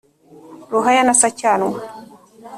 Ruhaya na Sacyanwa